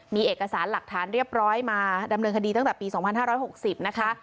มีเอกสารหลักฐานเรียบร้อยมาดำเนินคดีตั้งแต่ปีสองพันห้าร้อยหกสิบนะคะ